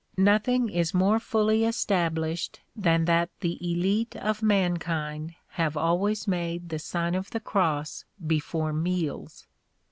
Nothing is more fully established than that the elite of mankind have always made the Sign of the Cross before meals.